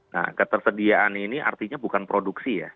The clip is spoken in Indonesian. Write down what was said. nah ketersediaan ini artinya bukan produksi ya